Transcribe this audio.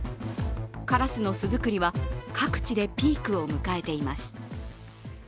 カラスの巣作りは各地でピークを迎えています。